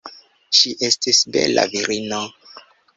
Ŝi estis bela virino.